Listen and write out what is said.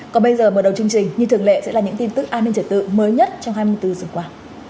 còn bây giờ mở đầu chương trình như thường lệ sẽ là những tin tức an ninh trở tự mới nhất trong hai mươi bốn giờ qua